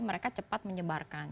mereka cepat menyebarkan